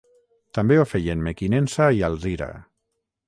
També ho feien Mequinensa i Alzira.